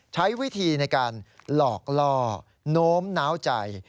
ใช้วิธีในการหลอกล่อโน้มน้าวใจ